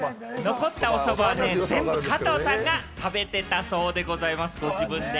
残ったお蕎麦は全部、加藤さんが食べてたそうでございます、ご自分で。